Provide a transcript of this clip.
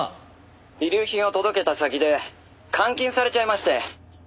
「遺留品を届けた先で監禁されちゃいまして」